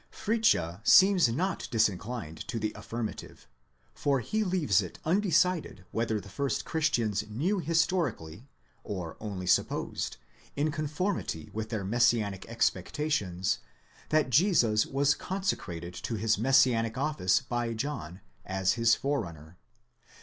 Fritzsche seems not disinclined to the affirmative, for he leaves it undecided whether the first Christians knew historically, or only supposed, in conformity with their messianic expectations, that Jesus was consecrated to his messianic office by John, as his forerunner.